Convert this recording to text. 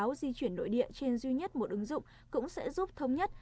trích xuất dữ liệu di chuyển đối địa trên duy nhất một ứng dụng cũng sẽ giúp thống nhất